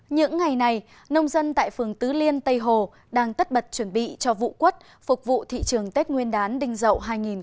những ngày này nông dân tại phường tứ liên tây hồ đang tất bật chuẩn bị cho vụ quất phục vụ thị trường tết nguyên đán đinh dậu hai nghìn hai mươi